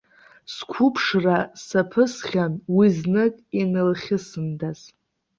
Сқәыԥшра саԥысхьан, уи знык инылхьысындаз.